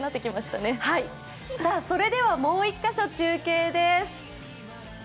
それではもう１カ所中継です。